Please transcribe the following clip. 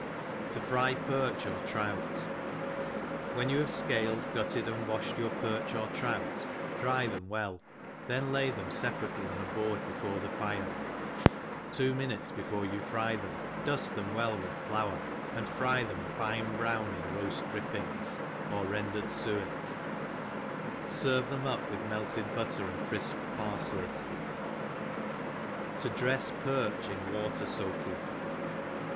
To fry Perch or Trout. WHEN you have fcaled, gutted, and wafhed your perch or trout, dry them well, then lay them feparately on a board before the fire, two minutes before you fry them duft them well with flour, and fry them a fine brown in roaft drippings J I ENGLISH HOtlSE.KEEPER. 37 drippings or rendered fuet, ferve theni up with melted butter and crifped pariley. To drefs Perch in Water Sokey.